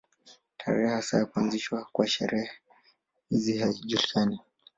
Tarehe hasa ya kuanzishwa kwa sherehe hizi haijulikani.